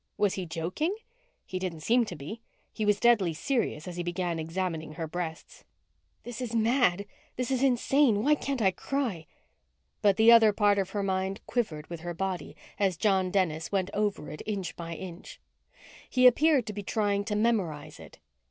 Was he joking? He didn't seem to be. He was deadly serious as he began examining her breasts. This is mad. This is insane. Why can't I cry? But the other part of her mind quivered with her body as John Dennis went over it, inch by inch. He appeared to be trying to memorize it.